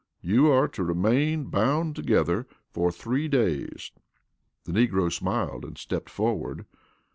"You are to remain bound together for three days." The negro smiled and stepped forward.